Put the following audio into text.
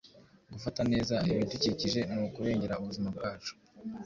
Gufata neza ibidukikije ni ukurengera ubuzima bwacu.»